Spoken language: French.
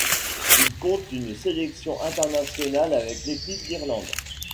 Il compte une sélection internationale avec l'équipe d'Irlande.